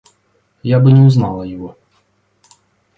Я бы не узнала его.